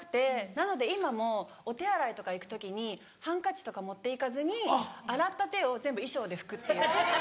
なので今もお手洗いとか行く時にハンカチとか持っていかずに洗った手を全部衣装で拭くっていう。